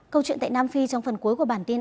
câu chuyện tại nam phi trong phần cuối của bản tin